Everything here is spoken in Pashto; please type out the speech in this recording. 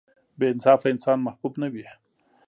• بې انصافه انسان محبوب نه وي.